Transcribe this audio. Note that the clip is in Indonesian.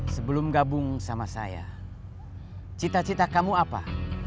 sebelum gabung sama saya cita cita kamu apa